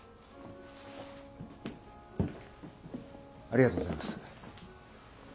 ありがとうございます。